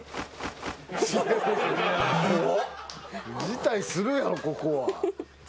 辞退するやろここは。